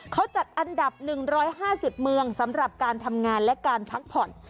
เขาจัดอันดับ๑๕๐เมืองสำหรับการทำงานและการพักผ่อน